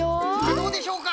どうでしょうか？